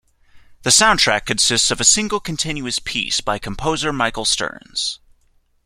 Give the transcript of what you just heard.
The soundtrack consists of a single continuous piece by composer Michael Stearns.